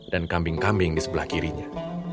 dan kambing kambing di sebelah kirinya